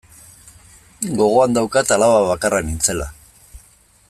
Gogoan daukat alaba bakarra nintzela.